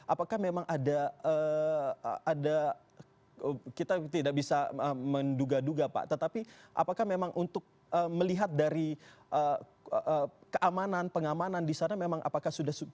apakah memang ada kita tidak bisa menduga duga pak tetapi apakah memang untuk melihat dari keamanan pengamanan di sana memang apakah sudah